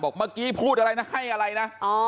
เมื่อกี้พูดอะไรนะให้อะไรนะ